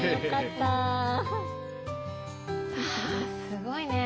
すごいね。